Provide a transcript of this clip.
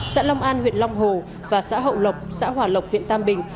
xã long an huyện long hồ và xã hậu lộc xã hòa lộc huyện tam bình